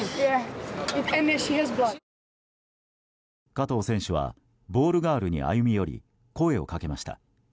加藤選手はボールガールに歩み寄り、声をかけました。